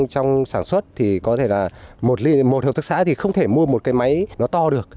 trong sản xuất thì có thể là một hợp tác xã thì không thể mua một cái máy nó to được